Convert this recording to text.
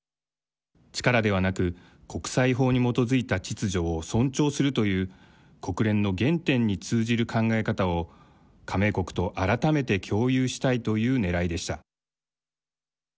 力ではなく国際法に基づいた秩序を尊重するという国連の原点に通じる考え方を加盟国と改めて共有したいというねらいでした。